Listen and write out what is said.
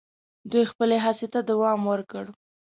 دوی خپلي هڅي ته دوم ورکړ.